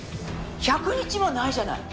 １００日もないじゃない。